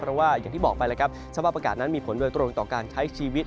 เพราะว่าอย่างที่บอกไปแล้วครับสภาพอากาศนั้นมีผลโดยตรงต่อการใช้ชีวิต